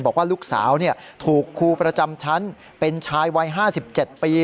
บอกว่าลูกสาวถูกครูประจำชั้นเป็นชายวัย๕๗ปี